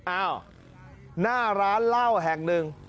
อ้าวหน้าร้านเหล้าแห่งหนึ่ง